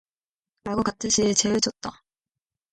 라고 깍듯이 재우쳤다.